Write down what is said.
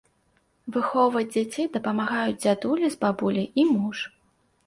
Выхоўваць дзяцей дапамагаюць дзядуля з бабуляй і муж.